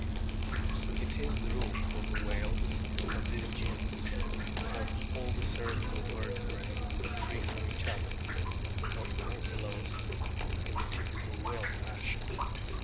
It is the rule for the whales of this genus to have all the cervical vertebrae free from each other, not ankylosed in the typical whale fashion.